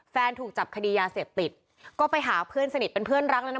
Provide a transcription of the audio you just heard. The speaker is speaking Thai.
ถูกจับคดียาเสพติดก็ไปหาเพื่อนสนิทเป็นเพื่อนรักแล้วนะ